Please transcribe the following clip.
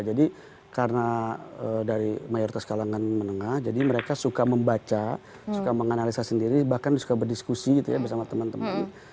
jadi karena dari mayoritas kalangan menengah jadi mereka suka membaca suka menganalisa sendiri bahkan suka berdiskusi gitu ya bersama teman teman